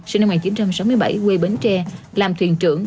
sinh năm một nghìn chín trăm sáu mươi bảy quê bến tre làm thuyền trưởng